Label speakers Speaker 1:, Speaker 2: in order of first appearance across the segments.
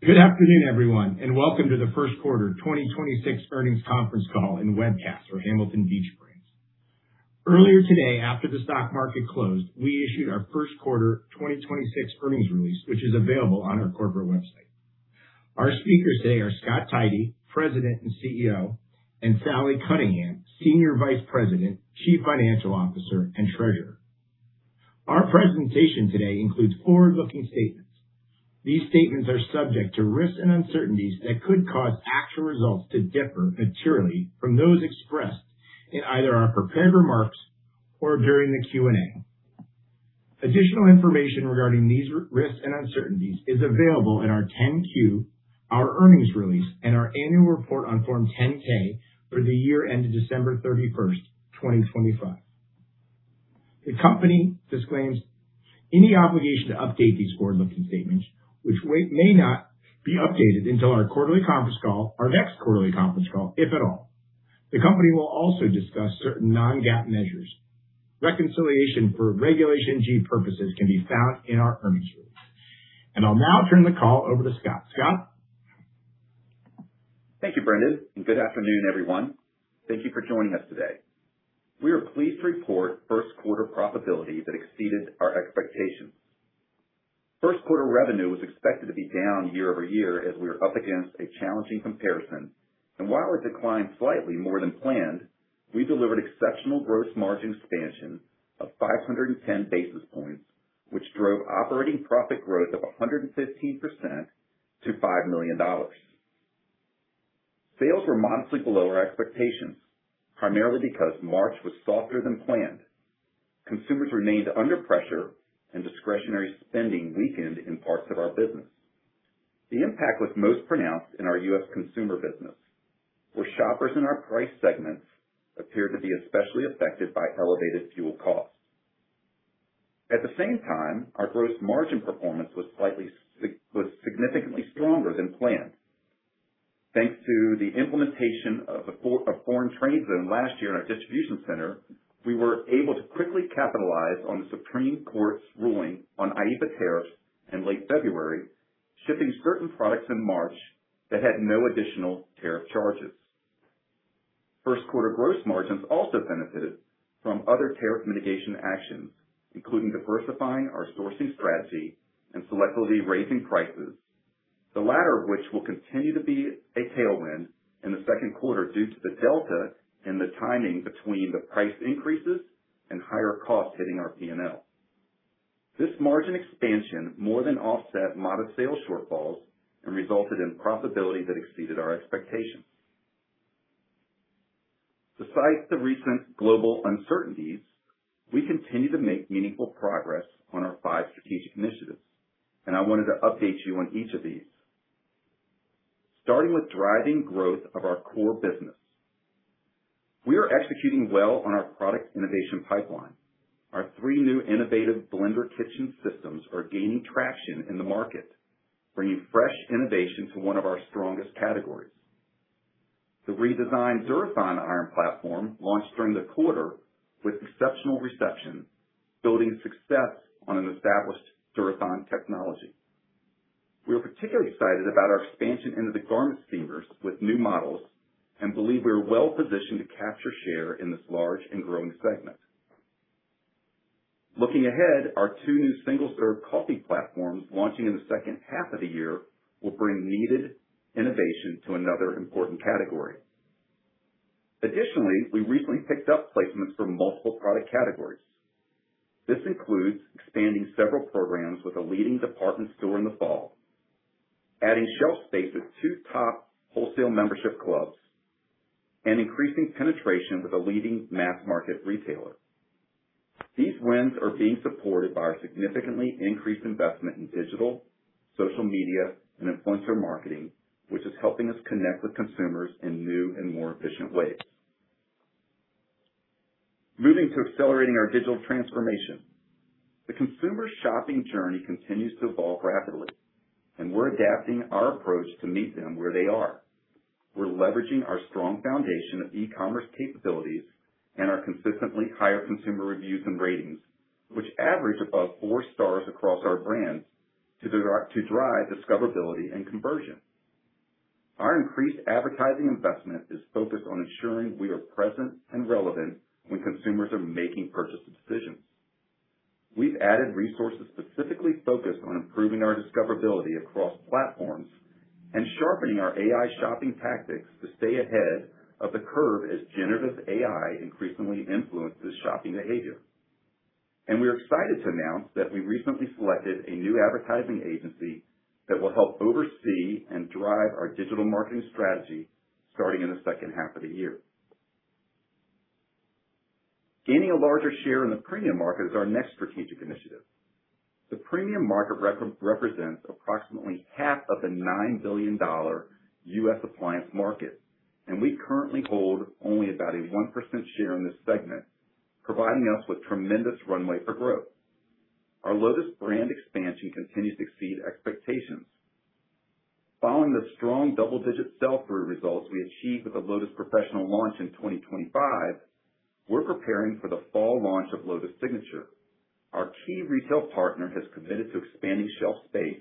Speaker 1: Good afternoon, everyone, welcome to the first quarter 2026 earnings conference call and webcast for Hamilton Beach Brands. Earlier today, after the stock market closed, we issued our first quarter 2026 earnings release, which is available on our corporate website. Our speakers today are Scott Tidey, President and CEO, and Sally Cunningham, Senior Vice President, Chief Financial Officer, and Treasurer. Our presentation today includes forward-looking statements. These statements are subject to risks and uncertainties that could cause actual results to differ materially from those expressed in either our prepared remarks or during the Q&A. Additional information regarding these risks and uncertainties is available in our 10-Q, our earnings release, and our annual report on Form 10-K for the year ended December 31st, 2025. The company disclaims any obligation to update these forward-looking statements, which may not be updated until our quarterly conference call, our next quarterly conference call, if at all. The company will also discuss certain non-GAAP measures. Reconciliation for Regulation G purposes can be found in our earnings release. I'll now turn the call over to Scott. Scott.
Speaker 2: Thank you, Brendon, and good afternoon, everyone. Thank you for joining us today. We are pleased to report first quarter profitability that exceeded our expectations. First quarter revenue was expected to be down year-over-year as we are up against a challenging comparison. While we declined slightly more than planned, we delivered exceptional gross margin expansion of 510 basis points, which drove operating profit growth of 115% to $5 million. Sales were modestly below our expectations, primarily because March was softer than planned. Consumers remained under pressure and discretionary spending weakened in parts of our business. The impact was most pronounced in our U.S. consumer business, where shoppers in our price segments appeared to be especially affected by elevated fuel costs. At the same time, our gross margin performance was significantly stronger than planned. Thanks to the implementation of a foreign trade zone last year in our distribution center, we were able to quickly capitalize on the Supreme Court's ruling on IEEPA tariffs in late February, shipping certain products in March that had no additional tariff charges. First quarter gross margins also benefited from other tariff mitigation actions, including diversifying our sourcing strategy and selectively raising prices, the latter of which will continue to be a tailwind in the second quarter due to the delta and the timing between the price increases and higher costs hitting our P&L. This margin expansion more than offset modest sales shortfalls and resulted in profitability that exceeded our expectations. Besides the recent global uncertainties, we continue to make meaningful progress on our five strategic initiatives, and I wanted to update you on each of these. Starting with driving growth of our core business. We are executing well on our product innovation pipeline. Our three new innovative blender kitchen systems are gaining traction in the market, bringing fresh innovation to one of our strongest categories. The redesigned Durathon iron platform launched during the quarter with exceptional reception, building success on an established Durathon technology. We are particularly excited about our expansion into the garment steamers with new models and believe we are well positioned to capture share in this large and growing segment. Looking ahead, our two new single-serve coffee platforms launching in the second half of the year will bring needed innovation to another important category. Additionally, we recently picked up placements from multiple product categories. This includes expanding several programs with a leading department store in the fall, adding shelf space with two top wholesale membership clubs, and increasing penetration with a leading mass market retailer. These wins are being supported by our significantly increased investment in digital, social media, and influencer marketing, which is helping us connect with consumers in new and more efficient ways. Moving to accelerating our digital transformation. The consumer shopping journey continues to evolve rapidly, we're adapting our approach to meet them where they are. We're leveraging our strong foundation of e-commerce capabilities and our consistently higher consumer reviews and ratings, which average above four stars across our brands to drive discoverability and conversion. Our increased advertising investment is focused on ensuring we are present and relevant when consumers are making purchasing decisions. We've added resources specifically focused on improving our discoverability across platforms and sharpening our AI shopping tactics to stay ahead of the curve as generative AI increasingly influences shopping behavior. We are excited to announce that we recently selected a new advertising agency that will help oversee and drive our digital marketing strategy starting in the second half of the year. Gaining a larger share in the premium market is our next strategic initiative. The premium market represents approximately half of the $9 billion U.S. appliance market, and we currently hold only about a 1% share in this segment, providing us with tremendous runway for growth. Our Lotus brand expansion continues to exceed expectations. Following the strong double-digit sell-through results we achieved with the Lotus Professional launch in 2025, we're preparing for the fall launch of Lotus Signature. Our key retail partner has committed to expanding shelf space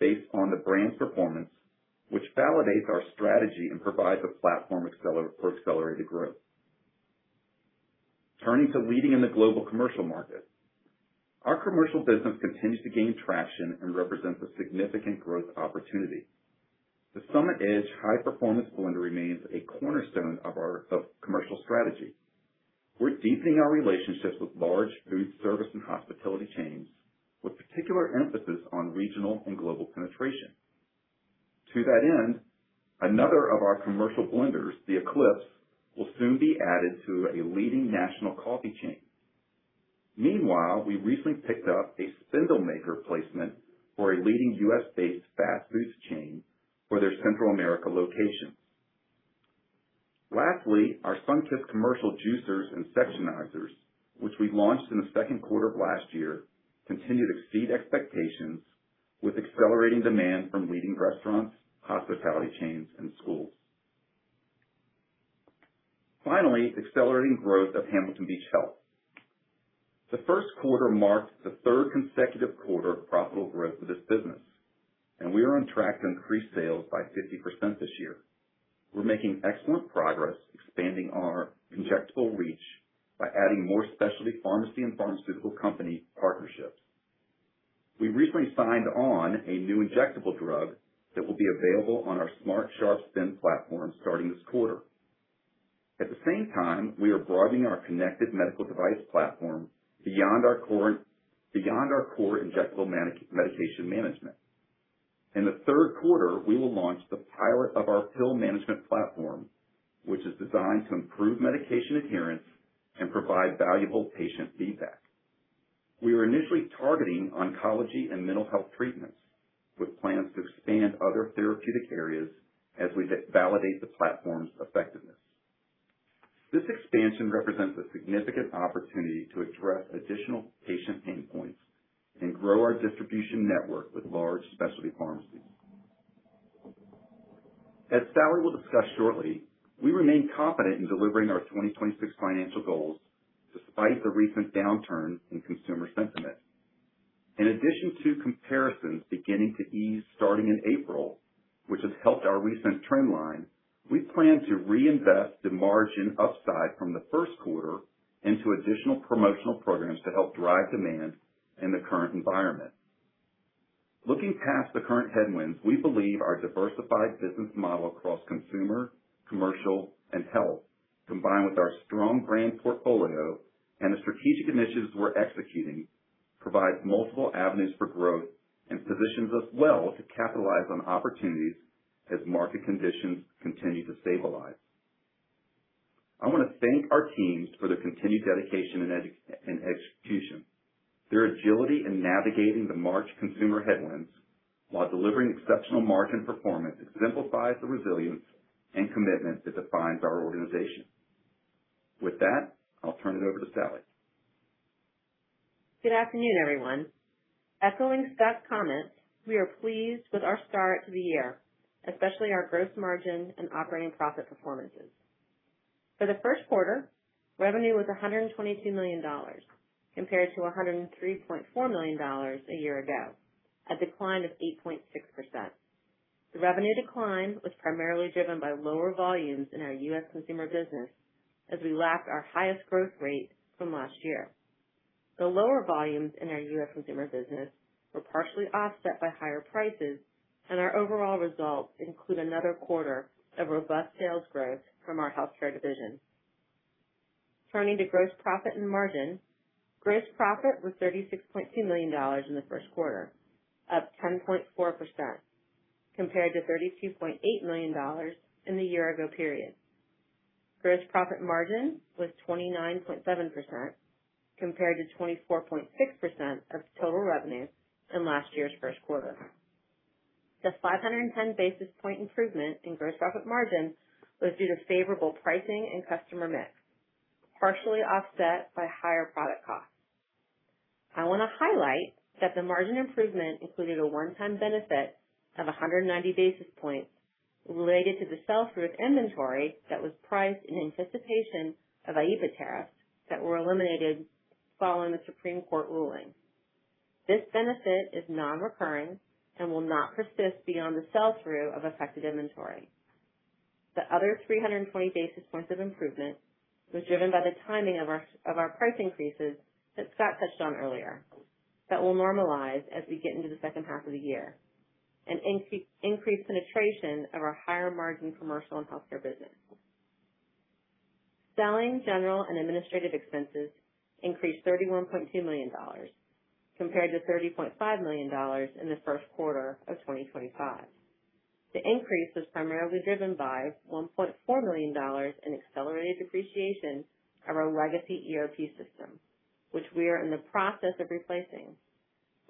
Speaker 2: based on the brand's performance, which validates our strategy and provides a platform for accelerated growth. Turning to leading in the global commercial market. Our commercial business continues to gain traction and represents a significant growth opportunity. The Summit Edge High-Performance Blender remains a cornerstone of our commercial strategy. We're deepening our relationships with large food service and hospitality chains, with particular emphasis on regional and global penetration. To that end, another of our commercial blenders, the Eclipse, will soon be added to a leading national coffee chain. Meanwhile, we recently picked up a spindle maker placement for a leading U.S.-based fast food chain for their Central America locations. Lastly, our Sunkist commercial juicers and sectionizers, which we launched in the second quarter of last year, continue to exceed expectations with accelerating demand from leading restaurants, hospitality chains and schools. Finally, accelerating growth of Hamilton Beach Health. The first quarter marked the third consecutive quarter of profitable growth for this business, and we are on track to increase sales by 50% this year. We're making excellent progress expanding our injectable reach by adding more specialty pharmacy and pharmaceutical company partnerships. We recently signed on a new injectable drug that will be available on our SmartSharp Spin platform starting this quarter. At the same time, we are broadening our connected medical device platform beyond our core injectable medication management. In the third quarter, we will launch the pilot of our pill management platform, which is designed to improve medication adherence and provide valuable patient feedback. We are initially targeting oncology and mental health treatments, with plans to expand other therapeutic areas as we validate the platform's effectiveness. This expansion represents a significant opportunity to address additional patient pain points and grow our distribution network with large specialty pharmacies. As Sally will discuss shortly, we remain confident in delivering our 2026 financial goals despite the recent downturn in consumer sentiment. In addition to comparisons beginning to ease starting in April, which has helped our recent trend line, we plan to reinvest the margin upside from the first quarter into additional promotional programs to help drive demand in the current environment. Looking past the current headwinds, we believe our diversified business model across consumer, commercial and health, combined with our strong brand portfolio and the strategic initiatives we're executing, provides multiple avenues for growth and positions us well to capitalize on opportunities as market conditions continue to stabilize. I wanna thank our teams for their continued dedication and execution. Their agility in navigating the March consumer headwinds while delivering exceptional margin performance exemplifies the resilience and commitment that defines our organization. With that, I'll turn it over to Sally.
Speaker 3: Good afternoon, everyone. Echoing Scott's comments, we are pleased with our start to the year, especially our gross margin and operating profit performances. For the first quarter, revenue was $122 million compared to $103.4 million a year ago, a decline of 8.6%. The revenue decline was primarily driven by lower volumes in our U.S. consumer business as we lacked our highest growth rate from last year. The lower volumes in our U.S. consumer business were partially offset by higher prices, and our overall results include another quarter of robust sales growth from our healthcare division. Turning to gross profit and margin. Gross profit was $36.2 million in the first quarter, up 10.4%, compared to $32.8 million in the year ago period. Gross profit margin was 29.7% compared to 24.6% of total revenue in last year's first quarter. The 510 basis point improvement in gross profit margin was due to favorable pricing and customer mix, partially offset by higher product costs. I wanna highlight that the margin improvement included a one-time benefit of 190 basis points related to the sell-through of inventory that was priced in anticipation of IEEPA tariffs that were eliminated following the Supreme Court ruling. This benefit is non-recurring and will not persist beyond the sell-through of affected inventory. The other 320 basis points of improvement was driven by the timing of our price increases that Scott touched on earlier, that will normalize as we get into the second half of the year, increased penetration of our higher margin commercial and healthcare business. Selling, general and administrative expenses increased $31.2 million compared to $30.5 million in the first quarter of 2025. The increase was primarily driven by $1.4 million in accelerated depreciation of our legacy ERP system, which we are in the process of replacing,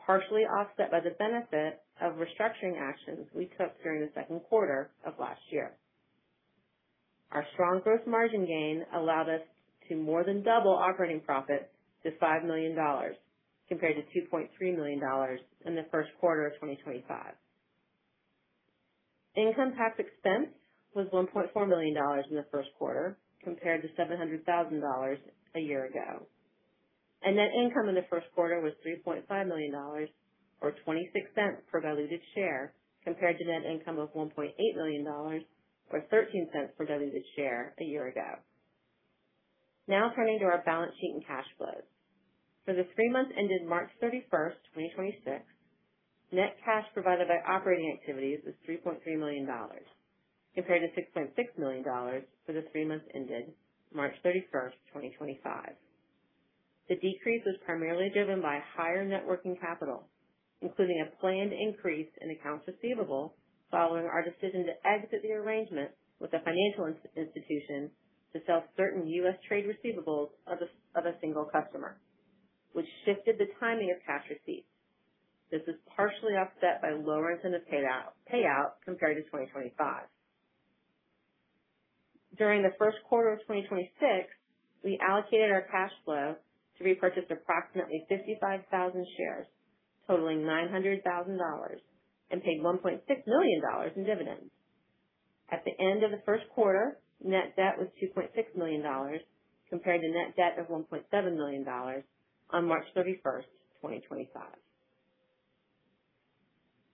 Speaker 3: partially offset by the benefit of restructuring actions we took during the second quarter of last year. Our strong gross margin gain allowed us to more than double operating profit to $5 million compared to $2.3 million in the first quarter of 2025. Income tax expense was $1.4 million in the first quarter compared to $700,000 a year ago. Net income in the first quarter was $3.5 million, or $0.26 per diluted share, compared to net income of $1.8 million, or $0.13 per diluted share a year ago. Now turning to our balance sheet and cash flows. For the three months ended March 31st, 2026, net cash provided by operating activities was $3.3 million, compared to $6.6 million for the three months ended March 31st, 2025. The decrease was primarily driven by higher networking capital, including a planned increase in accounts receivable following our decision to exit the arrangement with the financial institution to sell certain U.S. trade receivables of a single customer, which shifted the timing of cash receipts. This is partially offset by lower incentive payout compared to 2025. During the first quarter of 2026, we allocated our cash flow to repurchase approximately 55,000 shares, totaling $900,000 and paid $1.6 million in dividends. At the end of the first quarter, net debt was $2.6 million compared to net debt of $1.7 million on March 31st, 2025.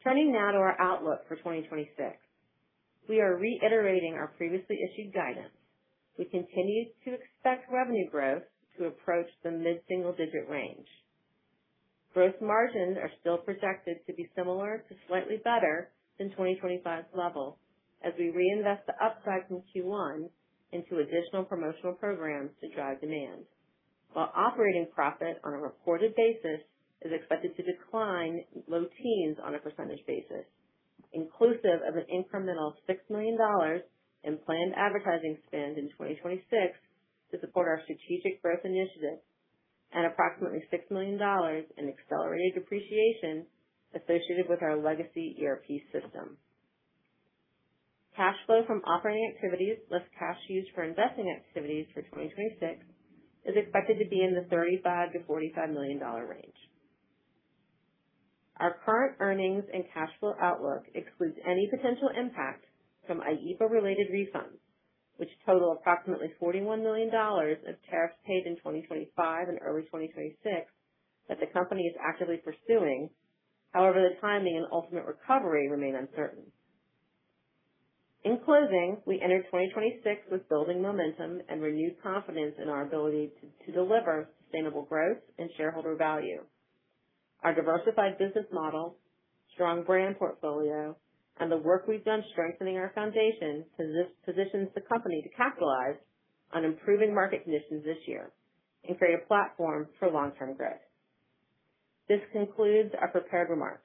Speaker 3: Turning now to our outlook for 2026. We are reiterating our previously issued guidance. We continue to expect revenue growth to approach the mid-single-digit range. Gross margins are still projected to be similar to slightly better than 2025's level as we reinvest the upside from Q1 into additional promotional programs to drive demand. Operating profit on a reported basis is expected to decline low teens on a percentage basis, inclusive of an incremental $6 million in planned advertising spend in 2026 to support our strategic growth initiatives and approximately $6 million in accelerated depreciation associated with our legacy ERP system. Cash flow from operating activities less cash used for investing activities for 2026 is expected to be in the $35 million-$45 million range. Our current earnings and cash flow outlook excludes any potential impact from IEEPA related refunds, which total approximately $41 million of tariffs paid in 2025 and early 2026 that the company is actively pursuing. However, the timing and ultimate recovery remain uncertain. In closing, we entered 2026 with building momentum and renewed confidence in our ability to deliver sustainable growth and shareholder value. Our diversified business model, strong brand portfolio, and the work we've done strengthening our foundation positions the company to capitalize on improving market conditions this year and create a platform for long-term growth. This concludes our prepared remarks.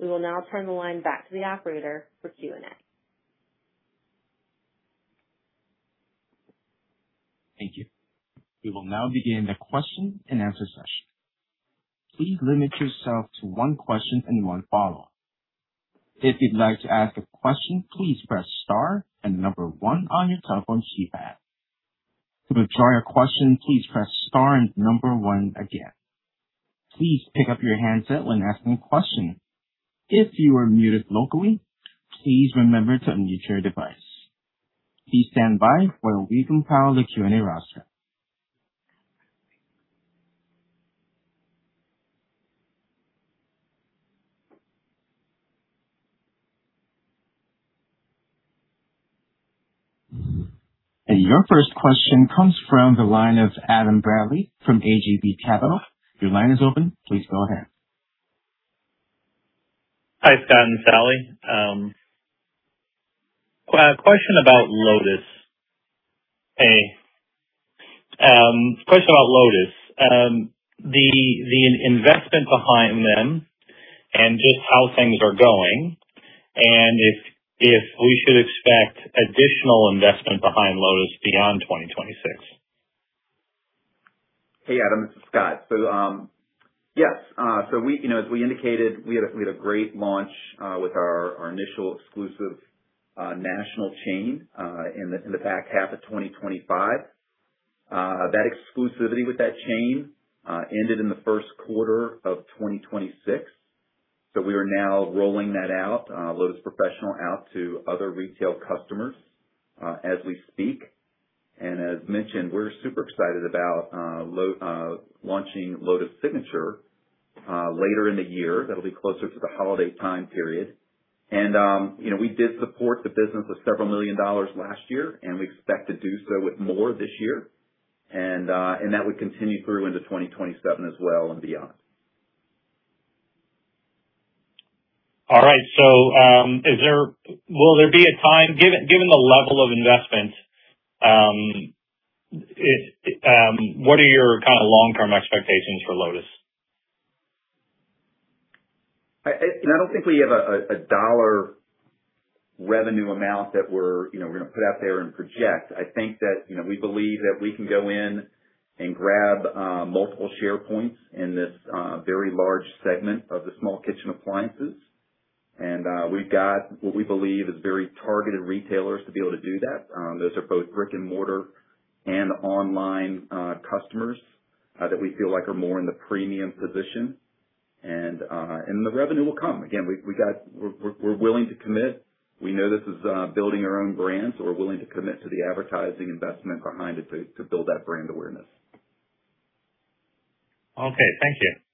Speaker 3: We will now turn the line back to the operator for Q&A.
Speaker 4: Thank you. We will now begin the Q&A session. Your first question comes from the line of Adam Bradley from AJB Capital. Your line is open. Please go ahead.
Speaker 5: Hi, Scott and Sally. Question about Lotus. Question about Lotus. The investment behind them and just how things are going, and if we should expect additional investment behind Lotus beyond 2026.
Speaker 2: Hey, Adam. This is Scott. Yes, we, you know, as we indicated, we had a great launch with our initial exclusive national chain in the back half of 2025. That exclusivity with that chain ended in the first quarter of 2026. We are now rolling that out, Lotus Professional out to other retail customers as we speak. As mentioned, we're super excited about launching Lotus Signature later in the year. That'll be closer to the holiday time period. You know, we did support the business with several million dollars last year, and we expect to do so with more this year. That would continue through into 2027 as well and beyond.
Speaker 5: All right. Will there be a time, given the level of investment, what are your kind of long-term expectations for Lotus?
Speaker 2: I, you know, I don't think we have a dollar revenue amount that we're, you know, we're gonna put out there and project. I think that, you know, we believe that we can go in and grab multiple share points in this very large segment of the small kitchen appliances. We've got what we believe is very targeted retailers to be able to do that. Those are both brick and mortar and online customers that we feel like are more in the premium position. The revenue will come. Again, we're willing to commit. We know this is building our own brand, so we're willing to commit to the advertising investment behind it to build that brand awareness.
Speaker 5: Okay. Thank you.
Speaker 4: Thank you.